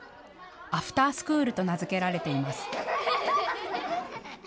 アフタースクールと名付けられています。